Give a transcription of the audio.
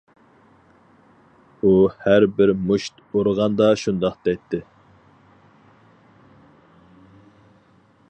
- ئۇ ھەربىر مۇشت ئۇرغاندا شۇنداق دەيتتى.